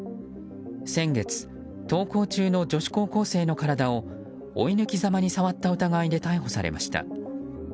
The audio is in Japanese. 先月、登校中の女子高校生の体を追い抜きざまに触った疑いで逮捕されました。